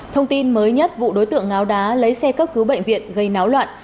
thông tin mới nhất vụ đối tượng ngáo đá lấy xe cấp cứu bệnh viện gây náo loạn